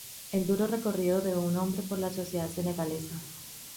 El duro recorrido de un hombre por la sociedad senegalesa.